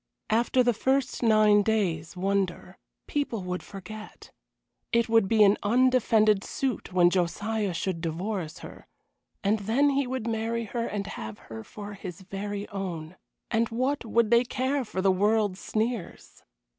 After the first nine days' wonder, people would forget. It would be an undefended suit when Josiah should divorce her, and then he would marry her and have her for his very own. And what would they care for the world's sneers?